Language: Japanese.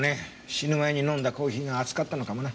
死ぬ前に飲んだコーヒーが熱かったのかもな。